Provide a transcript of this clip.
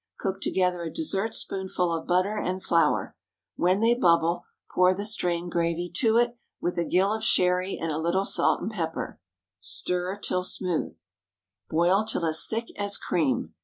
Cook together a dessertspoonful of butter and flour; when they bubble, pour the strained gravy to it, with a gill of sherry and a little salt and pepper; stir till smooth; boil till as thick as cream.